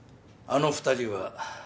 あの２人は。